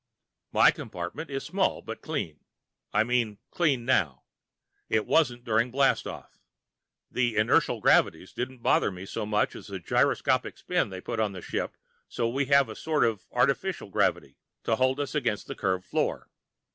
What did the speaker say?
My compartment is small but clean. I mean clean now. It wasn't during blastoff. The inertial gravities didn't bother me so much as the gyroscopic spin they put on the ship so we have a sort of artificial gravity to hold us against the curved floor.